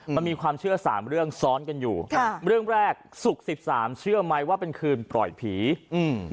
มันมีความเชื่อสามเรื่องซ้อนกันอยู่ค่ะเรื่องแรกศุกร์สิบสามเชื่อไหมว่าเป็นคืนปล่อยผีอืม